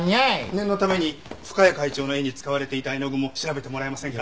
念のために深谷会長の絵に使われていた絵の具も調べてもらえませんか？